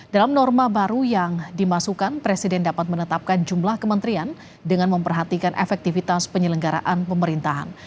dalam norma baru yang dimasukkan presiden dapat menetapkan jumlah kementerian dengan memperhatikan efektivitas penyelenggaraan pemerintahan